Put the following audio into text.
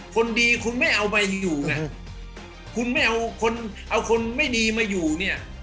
คนดีคุณไม่เอาไปอยู่ไงคุณเอาคนไม่ดีมาอยู่เนี่ย